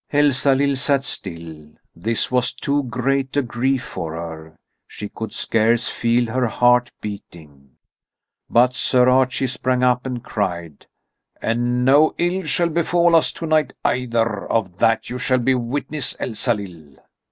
Elsalill sat still. This was too great a grief for her. She could scarce feel her heart beating. But Sir Archie sprang up and cried: "And no ill shall befall us tonight either. Of that you shall be witness, Elsalill!"